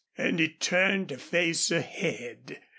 And he turned to face ahead.